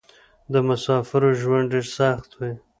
د مسافرو ژوند ډېر سخت وې.